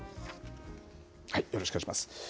よろしくお願いします。